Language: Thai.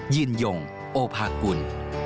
ยืนยงโอภากุล